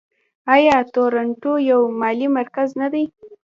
آیا تورنټو یو مالي مرکز نه دی؟